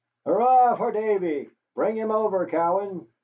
"Hooray for Davy. Bring him over, Cowan."